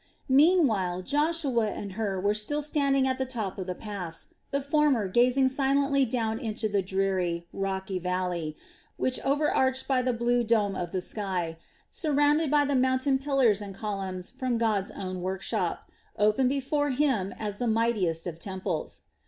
Meanwhile Joshua and Hur were still standing at the top of the pass, the former gazing silently down into the dreary, rocky valley, which overarched by the blue dome of the sky, surrounded by the mountain pillars and columns from God's own workshop, opened before him as the mightiest of temples.